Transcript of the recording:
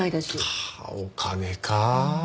はあお金か。